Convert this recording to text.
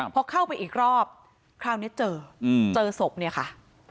พอเข้าไปอีกรอบคราวนี้เจอเจอศพเนี่ยค่ะ